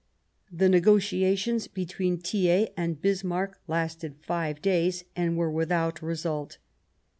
The negotiations between Thiers and Bismarck lasted five days, and were without result.